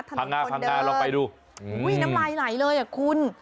ถนนคนเดินทางงานเราไปดูอุ้ยน้ำลายไหลเลยอ่ะคุณ